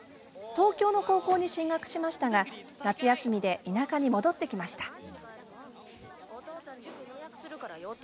東京の高校に進学しましたが夏休みで田舎に戻ってきました。